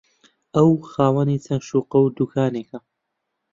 ئەو خاوەنی چەند شوقە و دوکانێکە